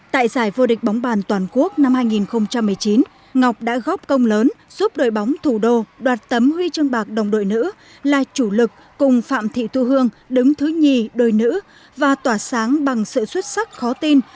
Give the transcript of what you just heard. tại giải vô địch bóng bàn toàn quốc năm hai nghìn một mươi chín ngọc đã góp công lớn giúp đội bóng thủ đô đoạt tấm huy chương bạc đồng đội nữ là chủ lực cùng phạm thị tu hương đứng thứ hai đôi nữ và tỏa sáng bằng sự xuất sắc khó tin